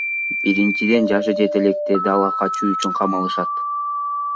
Биринчиден, жашы жете электерди ала качуу үчүн камалышат.